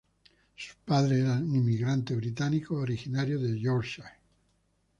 Sus padres eran inmigrantes británicos originarios de Yorkshire.